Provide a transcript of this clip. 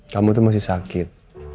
kamu tuh masih sakit